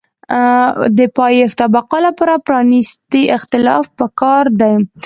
د پایښت او بقا لپاره پرانیستی اختلاف پکار دی.